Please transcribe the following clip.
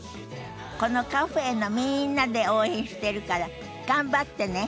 このカフェのみんなで応援してるから頑張ってね。